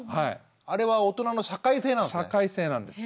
あれは大人の社会性なんですね。